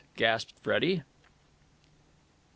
gasped Freddie.